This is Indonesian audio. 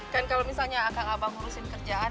kan kalau misalnya akang abang urusin kerjaan